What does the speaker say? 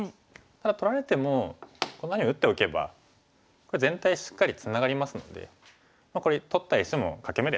ただ取られてもこんなふうに打っておけばこれ全体しっかりツナがりますのでこれ取った石も欠け眼ですからね。